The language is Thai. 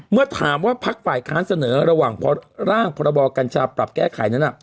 เมื่อถามว่าพักฝ่ายค้านเสนอระหว่างร่างพรบกัญชาปรับแก้ไขนั้น